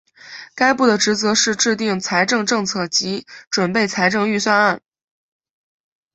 该部的职责是制定财政政策及准备财政预算案。